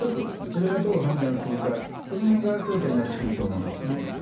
それがどう判断するかその辺が焦点になってくると思うんですね。